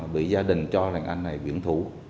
bị gia đình cho là anh này biển thủ